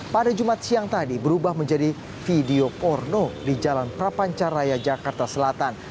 pada jumat siang tadi berubah menjadi video porno di jalan prapancaraya jakarta selatan